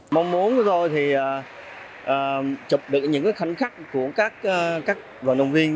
mong muốn của tôi thì chụp được những khảnh khắc của các vận động viên